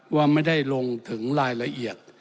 ว่าไม่ได้ลงถึงรายละเอียด